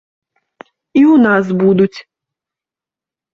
І ў нас будуць.